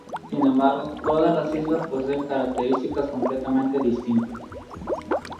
Sin embargo, todas las islas poseen características completamente distintas.